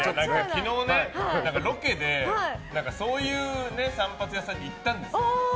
昨日、ロケでそういう散髪屋さんに行ったんですよ。